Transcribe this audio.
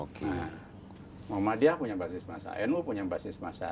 muhammadiyah punya basis massa nu punya basis massa